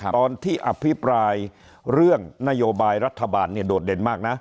ตอนที่อภิปรายเรื่องนโยบายรัฐบาลเนี่ยโดดเด่นมากนะ